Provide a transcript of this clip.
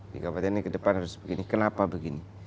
di kabupaten ini ke depan harus begini kenapa begini